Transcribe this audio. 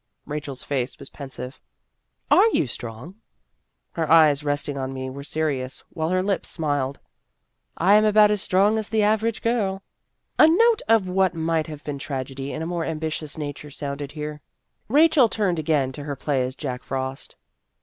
Rachel's face was pensive. " Are you strong?" Her eyes resting on me were serious, while her lips smiled. " I am about as strong as the average girl." A note of what might have been tragedy in a more ambitious nature sounded here. Rachel turned again to her play as Jack Frost.